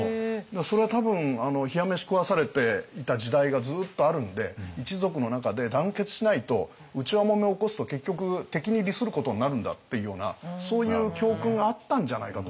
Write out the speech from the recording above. それは多分冷や飯食わされていた時代がずっとあるんで一族の中で団結しないと内輪もめ起こすと結局敵に利することになるんだっていうようなそういう教訓があったんじゃないかと思うんです。